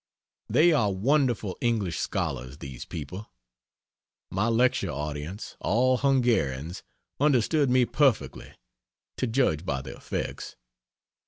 They are wonderful English scholars, these people; my lecture audience all Hungarians understood me perfectly to judge by the effects.